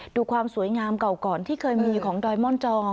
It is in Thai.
ดูความสวยงามเก่าก่อนที่เคยมีของดอยม่อนจอง